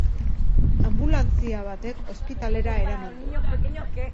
Anbulantzia batek ospitalera eraman du.